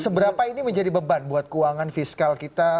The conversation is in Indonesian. seberapa ini menjadi beban buat keuangan fiskal kita